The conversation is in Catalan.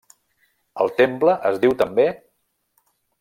El temple es diu també: